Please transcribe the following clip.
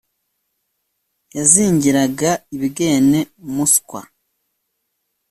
Yazingiraga i Bwene-muswa*,